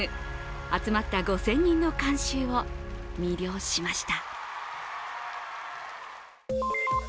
集まった５０００人の観衆を魅了しました。